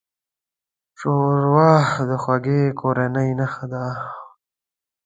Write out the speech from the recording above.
ښوروا د خوږې کورنۍ نښه ده.